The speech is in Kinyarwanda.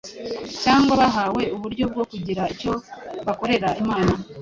cyangwa bahawe uburyo bwo kugira icyo bakorera Imana,